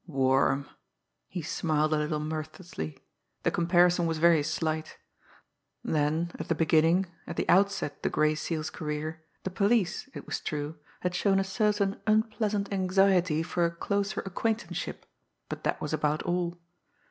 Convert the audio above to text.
"Warm!" He smiled a little mirthlessly. The comparison was very slight! Then, at the beginning, at the outset of the Gray Seal's career, the police, it was true, had shown a certain unpleasant anxiety for a closer acquaintanceship, but that was about all.